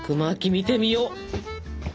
見てみよう！